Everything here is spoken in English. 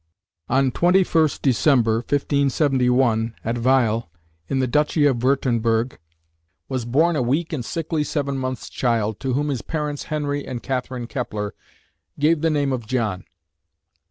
On 21st December, 1571, at Weil in the Duchy of Wurtemberg, was born a weak and sickly seven months' child, to whom his parents Henry and Catherine Kepler gave the name of John.